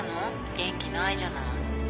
元気ないじゃない。